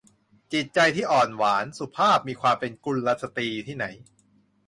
จิตใจที่อ่อนหวาน สุภาพ มีความเป็นกุลสตรีอยู่ที่ไหน